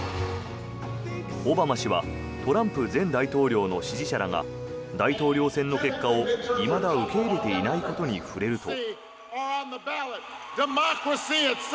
オバマ氏はトランプ前大統領の支持者らが大統領選の結果をいまだ受け入れていないことに触れると。